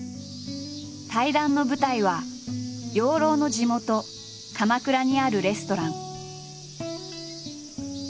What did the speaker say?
対談の舞台は養老の地元鎌倉にあるレストラン。